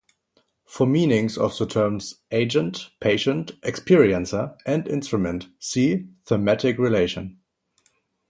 For meanings of the terms "agent", "patient", "experiencer", and "instrument", see "thematic relation".